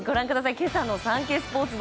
今朝のサンケイスポーツ。